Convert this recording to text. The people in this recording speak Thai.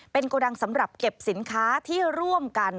เป็นกระดังเก็บสินค้าที่ร่วมกัน